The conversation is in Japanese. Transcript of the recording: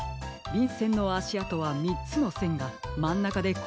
びんせんのあしあとはみっつのせんがまんなかでこうさしています。